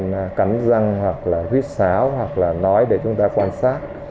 bệnh nhân cắn răng hoặc là huyết xáo hoặc là nói để chúng ta quan sát